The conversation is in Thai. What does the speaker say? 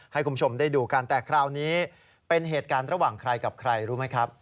ให้คุณผู้ชมได้ดูกันแต่คราวนี้เป็นเหตุการณ์ระหว่างใครกับใครรู้ไหมครับ